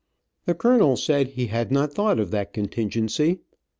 The colonel said he had not thought of that contingency.